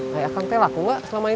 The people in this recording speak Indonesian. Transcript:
kayak akang tel laku nggak selama ini